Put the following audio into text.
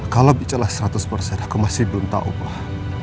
kalau bicara seratus persen aku masih belum tahu allah